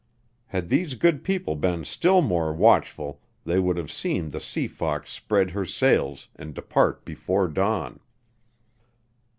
Had these good people been still more watchful they would have seen the Sea Fox spread her sails and depart before dawn.